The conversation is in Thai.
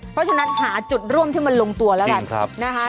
เพราะฉะนั้นหาจุดร่วมที่มันลงตัวแล้วกันนะคะ